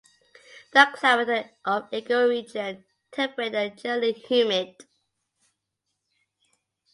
The climate of the ecoregion temperate and generally humid.